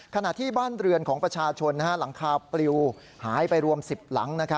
ขณะที่บ้านเรือนของประชาชนหลังคาปลิวหายไปรวม๑๐หลัง